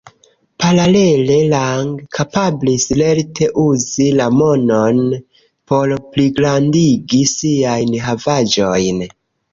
Paralele Lang kapablis lerte uzi la monon por pligrandigi siajn havaĵojn.